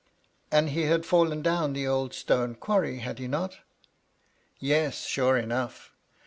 " And he had fallen down the old stone quarry, had he not?" *' Yes, sure enough.